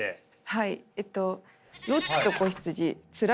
はい。